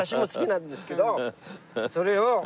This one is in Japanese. それを。